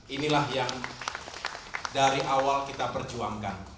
inilah yang dari awal kita perjuangkan